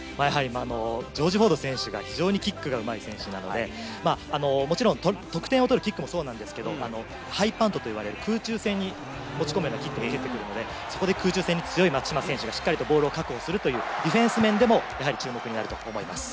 ジョージ・フォード選手が非常にキックがうまい選手なので、もちろん、得点を取るキックもそうなんですけど、ハイパントといわれる空中戦に持ち込むようなキックも、そこで空中戦に強い松島選手がしっかりとボールを確保するという、ディフェンス面でも注目になると思います。